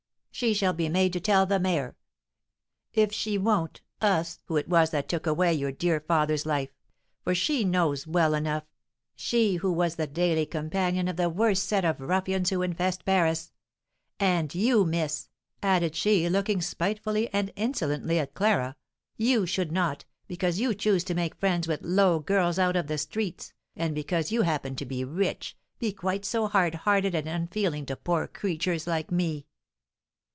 She shall be made to tell the mayor, if she won't us, who it was that took away your dear father's life; for she knows well enough she who was the daily companion of the worst set of ruffians who infest Paris. And you, miss," added she, looking spitefully and insolently at Clara, "you should not, because you choose to make friends with low girls out of the streets, and because you happen to be rich, be quite so hard hearted and unfeeling to poor creatures like me!"